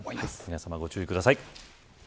皆さま、ご注意ください。